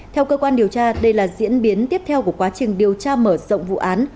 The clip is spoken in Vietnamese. theo cơ quan điều tra đây là diễn biến tiếp theo của quá trình điều tra mở rộng vụ án